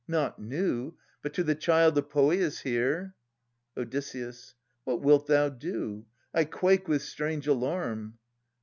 Not new. But to the child of Poeas here Od. What wilt thou do? I quake with strange alarm.